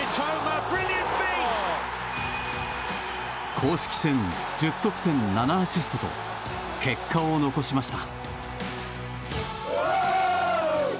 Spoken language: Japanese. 公式戦１０得点７アシストと結果を残しました。